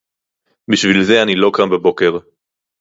בשביל זה אני לא קם בבוקר